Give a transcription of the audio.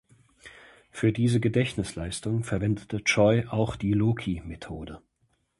Für diese Gedächtnisleistung verwendete Choi auch die Loci-Methode.